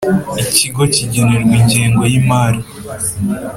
Ikigo kigenerwa ingengo y imari